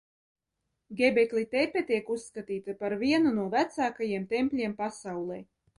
Gebekli Tepe tiek uzskatīta par vienu no vecākajiem tempļiem pasaulē.